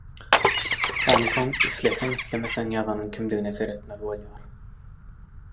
Onsoň isleseň-islemeseň ýazanyň kimdigine seretmeli bolýar.